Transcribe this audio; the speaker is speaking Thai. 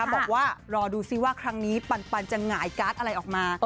บอกว่ารอดูซิว่าครั้งนี้ปันจะหงายการ์ดอะไรออกมา